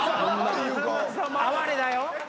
哀れだよ。